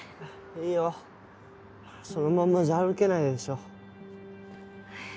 いいよそのまんまじゃ歩けないでしょ